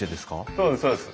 そうですそうです。